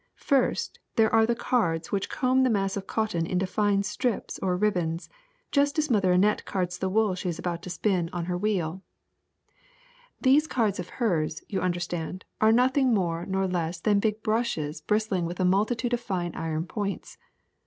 First there are the cards which comb the mass of cotton into tine strips or ribbons, just as Mother Annette cards the wool she is about to spin on her 6 THE SECRET OF EVERYDAY THINGS wheel. These cards of hers, you understand, are nothing more nor less than big brushes bristling with a multitude of fine iron points.